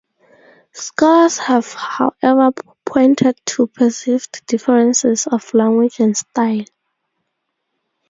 Scholars have however pointed to perceived differences of language and style.